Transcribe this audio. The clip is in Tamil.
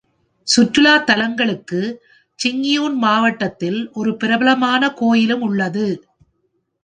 சுற்றுலா தலங்களுக்கு, ச்சிங்யூன் மாவட்டத்தில் ஒரு பிரபலமான கோயிலும் உள்ளது.